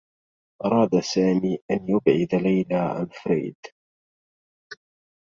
أراد سامي أن يُبعِد ليلى عن فريد.